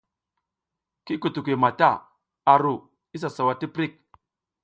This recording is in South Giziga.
Ki kutukuy mata a ru isa sawa ti prik.